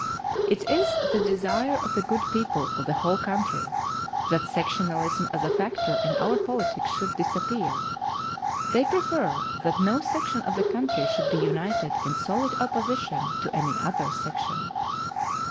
It is the desire of the good people of the whole country that sectionalism as a factor in our politics should disappear. They prefer that no section of the country should be united in solid opposition to any other section.